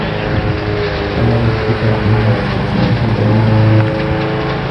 وَلَا لِاتِّفَاقِهِمْ عَلَى اسْتِحْسَانِهِ دَلِيلٌ مُوجِبٌ